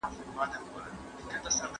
څېړونکی د حقایقو د موندلو هڅه کوي.